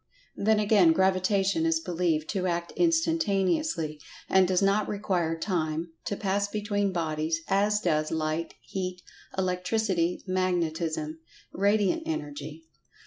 Then again, Gravitation is believed to act instantaneously, and does not require Time to pass between bodies, as does Light, Heat, Electricity, Magnetism—Radiant Energy.